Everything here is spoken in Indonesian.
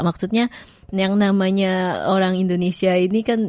maksudnya yang namanya orang indonesia ini kan